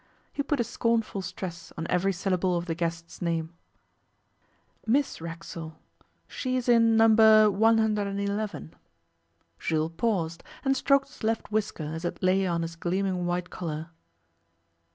He put a scornful stress on every syllable of the guest's name. 'Miss Racksole she's in No. 111.' Jules paused, and stroked his left whisker as it lay on his gleaming white collar.